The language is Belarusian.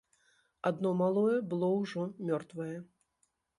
Адно малое было ўжо мёртвае.